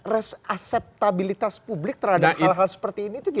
res aseptabilitas publik terhadap hal hal seperti ini itu gimana